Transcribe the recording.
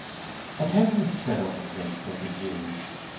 A tenderness spread over Grace like a dew.